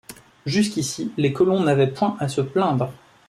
Jusqu’ici les colons n’avaient point à se plaindre.